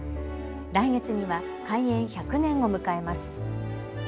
来月には開園１００年を迎えます。